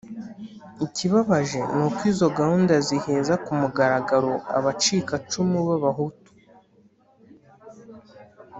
ikibabaje ni uko izo gahunda ziheza ku mugaragaro abacikacumu b'abahutu